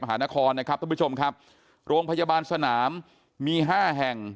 หานครนะครับท่านผู้ชมครับโรงพยาบาลสนามมีห้าแห่ง